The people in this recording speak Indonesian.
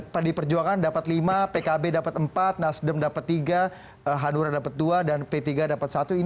pdi perjuangan dapat lima pkb dapat empat nasdem dapat tiga hanura dapat dua dan p tiga dapat satu